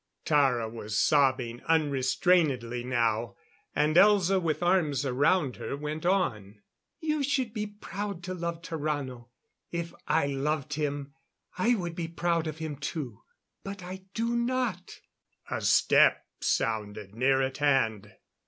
Tara was sobbing unrestrainedly now, and Elza, with arms around her, went on: "You should be proud to love Tarrano. If I loved him, I would be proud of him, too. But I do not " A step sounded near at hand.